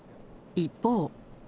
一方。